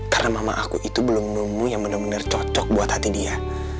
karena mama aku itu belum nemu yang bener bener cocok buat hati dia